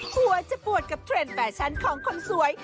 หัวจะปวดกับเทรนด์แฟชั่นของคนสวย